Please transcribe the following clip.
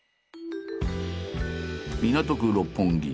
港区六本木。